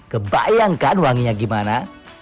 kebayangkan wanginya gimana